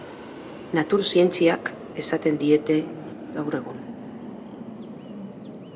Natur zientziak esaten diete gaur egun.